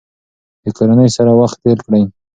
د کورنۍ سره وخت تیر کړئ.